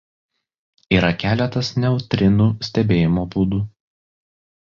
Yra keletas neutrinų stebėjimo būdų.